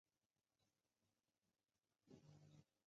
惟有共同的形态成分和基本词汇才能证明这种关系。